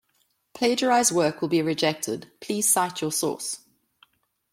Plagiarized work will be rejected, please cite your source.